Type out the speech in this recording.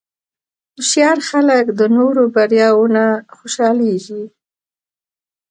هوښیار خلک د نورو بریاوو نه خوشحالېږي.